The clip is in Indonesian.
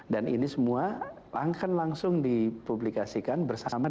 dan ini semua akan langsung dipublikasikan bersama dengan